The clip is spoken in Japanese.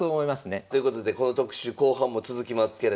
ということでこの特集後半も続きますけれども。